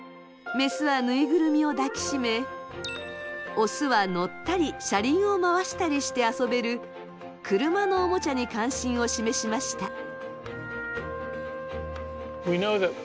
メスはぬいぐるみを抱き締めオスは乗ったり車輪を回したりして遊べる車のおもちゃに関心を示しました。